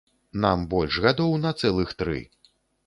Нам больш гадоў на цэлых тры.